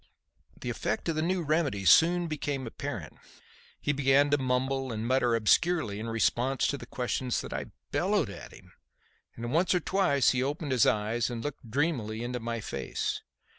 The effect of the new remedy soon became apparent. He began to mumble and mutter obscurely in response to the questions that I bellowed at him, and once or twice he opened his eyes and looked dreamily into my face.